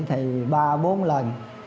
thì ba bốn lần